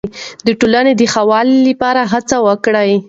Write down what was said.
د ټولنې د ښه والي لپاره هڅه وکړئ.